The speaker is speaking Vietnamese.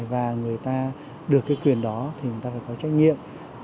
và người ta được cái quyền đó thì người ta phải có trách nhiệm